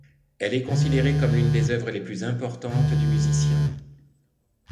Elle est considérée comme l'une des œuvres les plus importantes du musicien.